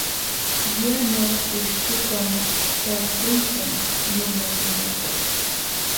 Yana pushtutam talpuykan nunakunakaq.